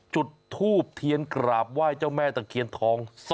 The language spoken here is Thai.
จุดทูบเทียนกราบไหว้เจ้าแม่ตะเคียนทอง